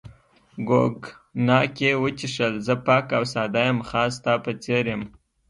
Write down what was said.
کوګناک یې وڅښل، زه پاک او ساده یم، خاص ستا په څېر یم.